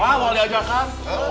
wah mau diajakan